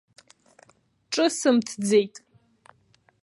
Ҿысымҭӡеит.